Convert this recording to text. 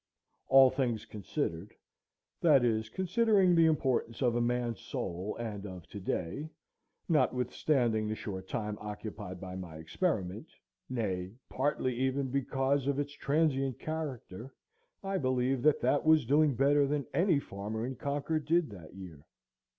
All things considered, that is, considering the importance of a man's soul and of to day, notwithstanding the short time occupied by my experiment, nay, partly even because of its transient character, I believe that that was doing better than any farmer in Concord did that year.